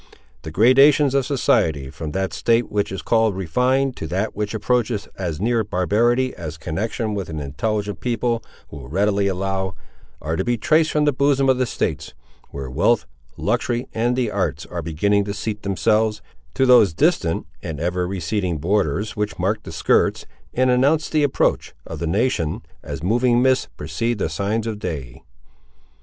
The gradations of society, from that state which is called refined to that which approaches as near barbarity as connection with an intelligent people will readily allow, are to be traced from the bosom of the States, where wealth, luxury and the arts are beginning to seat themselves, to those distant, and ever receding borders which mark the skirts, and announce the approach, of the nation, as moving mists precede the signs of day.